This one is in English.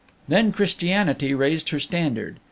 "Then Christianity raised her standard.